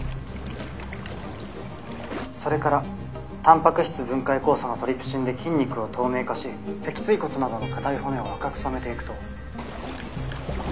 「それからたんぱく質分解酵素のトリプシンで筋肉を透明化し脊椎骨などの硬い骨を赤く染めていくと」